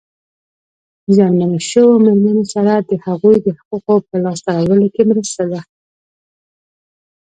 زیانمنو شویو مېرمنو سره د هغوی د حقوقو په لاسته راوړلو کې مرسته ده.